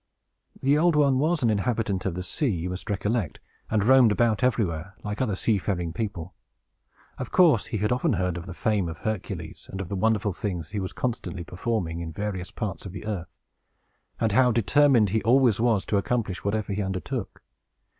The Old One was an inhabitant of the sea, you must recollect, and roamed about everywhere, like other sea faring people. Of course, he had often heard of the fame of Hercules, and of the wonderful things that he was constantly performing, in various parts of the earth, and how determined he always was to accomplish whatever he undertook.